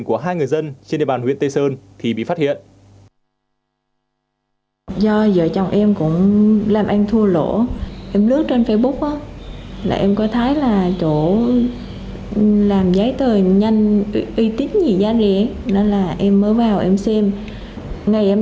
của hai người dân trên địa bàn huyện tây sơn thì bị phát hiện